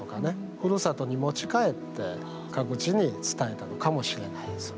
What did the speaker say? ふるさとに持ち帰って各地に伝えたのかもしれないですよね。